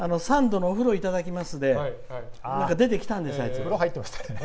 サンドの「お風呂いただきます」で出てきたんですよ